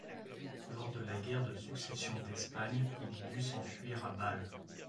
Lors de la guerre de Succession d'Espagne, il dut s'enfuir à Bâle.